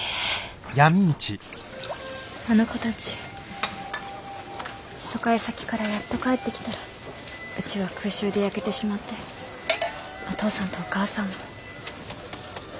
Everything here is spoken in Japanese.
あの子たち疎開先からやっと帰ってきたらうちは空襲で焼けてしまってお父さんとお母さんも。